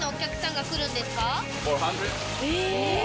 え！